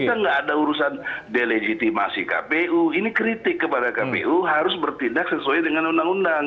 kita nggak ada urusan delegitimasi kpu ini kritik kepada kpu harus bertindak sesuai dengan undang undang